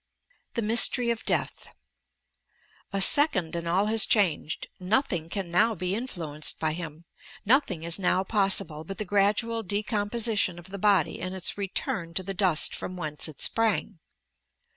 TOE MYSTEET OF DEATH A second and all has changed! Nothing can now be influenced by him; nothing is now possible but the gradual decomposition of the body and its return to the dust from whence it sprang.